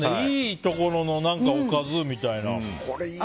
いいところのおかずみたいな。